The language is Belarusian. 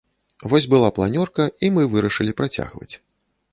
Вось была планёрка і мы вырашылі працягваць.